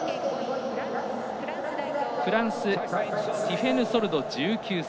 フランスのティフェヌ・ソルド１９歳。